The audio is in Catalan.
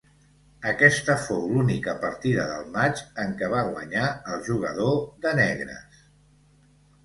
Aquesta fou l'única partida del matx en què va guanyar el jugador de negres.